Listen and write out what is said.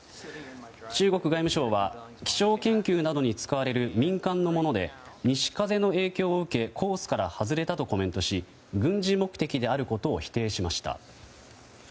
中国外務省は気象研究などに使われる民間のもので西風の影響を受けコースから外れたとコメントし軍事目的であることを否定しました。